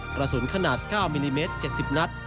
กระสุนขนาด๙มิลลิเมตร๗๐นัด